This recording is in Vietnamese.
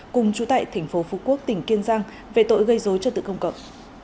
cùng chú tại tp phú quốc tỉnh kiên giang về tội gây dối cho tự công cộng